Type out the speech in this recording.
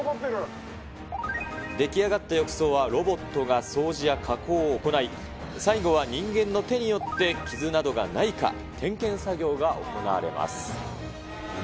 出来上がった浴槽はロボットが掃除や加工を行い、最後は人間の手によって傷などがないか、点検作業が行われます。